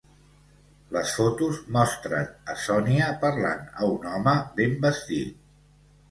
Les fotos mostren a Sònia parlant a un home ben vestit.